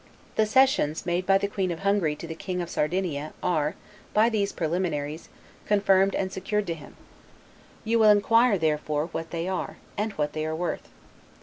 The cessions made by the Queen of Hungary to the King of Sardinia, are, by these preliminaries, confirmed and secured to him: you will inquire, therefore, what they are, and what they are worth.